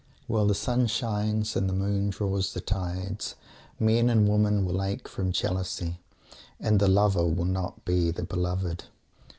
While the sun shines and the moon draws the tides, men and women will ache from jealousy, and the lover will not be the beloved!